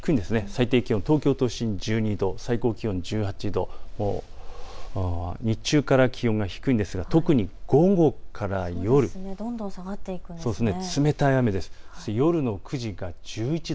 最低気温、東京都心１２度、最高気温１８度、日中から気温が低いんですが特に午後から夜どんどん下がっていくんですね。